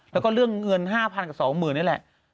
แล้วก็เรื่องเงิน๕๐๐๐กับ๒๐๐๐นี่แหละ